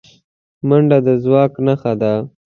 منډه د ځواک نښه ده